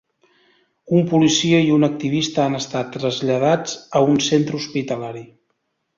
Un policia i un activista han estat traslladats a un centre hospitalari.